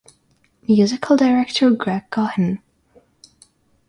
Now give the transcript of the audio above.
Musical Director Greg Cohen.